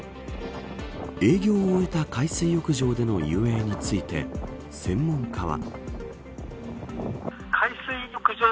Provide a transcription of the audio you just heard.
営業を終えた海水浴場での遊泳について専門家は。